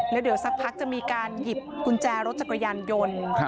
แล้วเดี๋ยวสักพักจะมีการหยิบกุญแจรถจักรยานยนต์